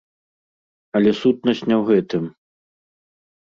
Але сутнасць не ў гэтым.